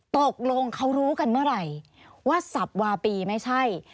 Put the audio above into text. ตกลงเขารู้กันเมื่อไหร่ว่าสับวาปีไม่ใช่